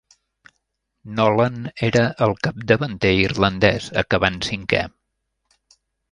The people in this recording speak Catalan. Nolan era el capdavanter irlandès, acabant cinquè.